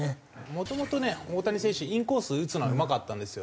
もともとね大谷選手インコース打つのはうまかったんですよ。